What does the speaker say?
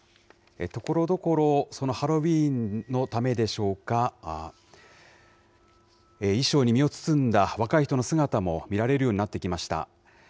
ところどころ、そのハロウィーンのためでしょうか、衣装に身を包んだ若い人の姿も見られるようになってきました。